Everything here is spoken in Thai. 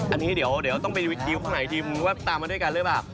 อันนี้เดี๋ยวต้องไปดีลของใหม่ทีมมึงรู้ว่าตามมาด้วยกันหรือเปล่า